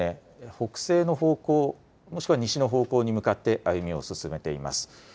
北西の方向、もしくは西の方向に向かって歩みを進めています。